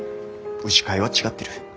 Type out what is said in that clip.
牛飼いは違ってる。